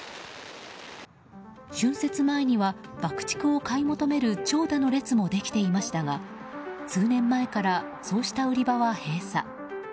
春節前には爆竹を買い求める長蛇の列ができていましたが数年前からそうした売り場は閉鎖。